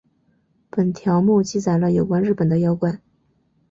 本条目记载了有关日本的妖怪。